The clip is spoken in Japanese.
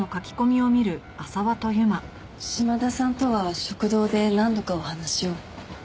島田さんとは食堂で何度かお話を。